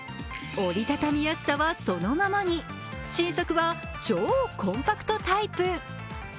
折り畳みやすさはそのままに新作は超コンパクトタイプ。